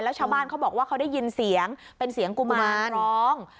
ชาวบ้านเขาบอกว่าเขาได้ยินเสียงเป็นเสียงกุมารร้อง